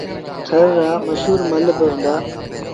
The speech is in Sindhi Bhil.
ٿر رآ مشهور مله با هُݩدآ۔